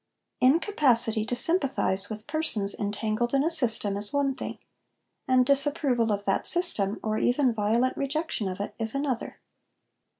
Incapacity to sympathise with persons entangled in a system is one thing, and disapproval of that system, or even violent rejection of it, is another.